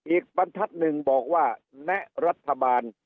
อีกปันทัศน์นึงบอกว่าแนะรัฐบาล